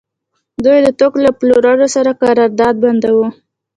دوی د توکو له پلورونکو سره قرارداد بنداوه